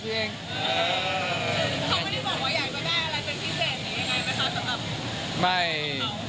เขาไม่ได้บอกว่าอยากจะได้อะไรเป็นพิเศษหรือยังไงไหมคะสำหรับ